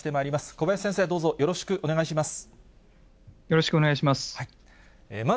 小林先生、どうぞよろしくお願いよろしくお願いします。